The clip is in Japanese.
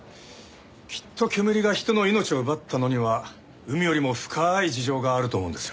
きっとけむりが人の命を奪ったのには海よりも深ーい事情があると思うんですよ。